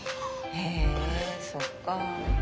へえそっかあ。